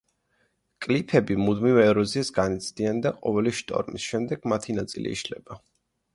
კლიფები მუდმივ ეროზიას განიცდიან და ყოველი შტორმის შემდეგ მათი ნაწილი იშლება.